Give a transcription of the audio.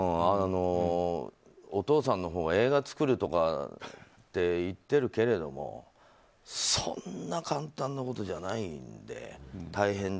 お父さんのほうが映画作るとかって言ってるけれどもそんな簡単なことじゃないんで。